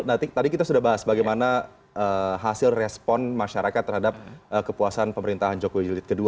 nanti tadi kita sudah bahas bagaimana hasil respon masyarakat terhadap kepuasan pemerintahan jokowi jilid kedua